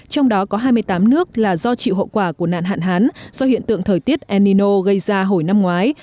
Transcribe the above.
trong đó có hai mươi tám nước là do chịu hậu quả của nạn hạn hán do hiện tượng thời tiết enino gây ra hồi năm ngoái